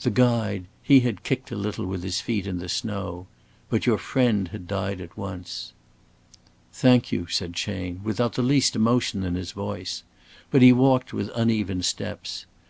The guide he had kicked a little with his feet in the snow but your friend had died at once." "Thank you," said Chayne, without the least emotion in his voice. But he walked with uneven steps.